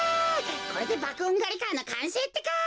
これでばくおんがりカーのかんせいってか！